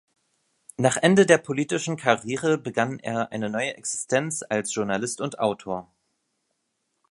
Nach Ende der politischen Karriere begann er eine neue Existenz als Journalist und Autor.